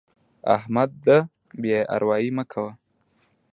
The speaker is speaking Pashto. احمده! بد اروايي مه کوه.